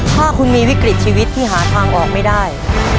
ถ้าคุณมีวิกฤตชีวิตที่หาทางออกไม่ได้